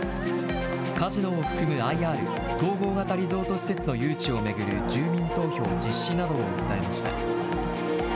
カジノを含むＩＲ・統合型リゾート施設の誘致を巡る住民投票実施などを訴えました。